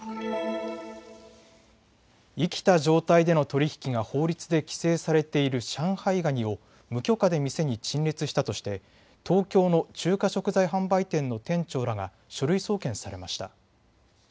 生きた状態での取り引きが法律で規制されている上海ガニを無許可で店に陳列したとして東京の中華食材販売店の店長らが書類送検されました。